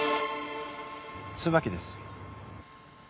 椿です